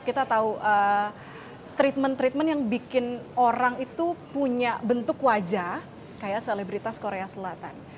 kita tahu treatment treatment yang bikin orang itu punya bentuk wajah kayak selebritas korea selatan